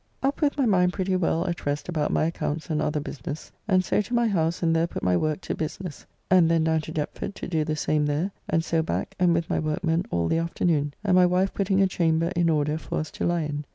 Up with my mind pretty well at rest about my accounts and other business, and so to my house and there put my work to business, and then down to Deptford to do the same there, and so back and with my workmen all the afternoon, and my wife putting a chamber in order for us to lie in.